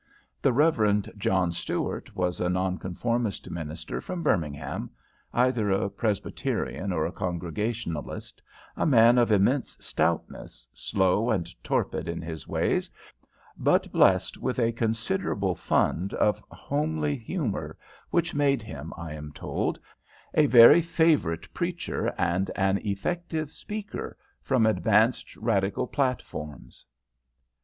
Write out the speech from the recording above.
The Reverend John Stuart was a Non conformist minister from Birmingham, either a Presbyterian or a Congregationalist, a man of immense stoutness, slow and torpid in his ways, but blessed with a considerable fund of homely humour, which made him, I am told, a very favourite preacher and an effective speaker from advanced radical platforms.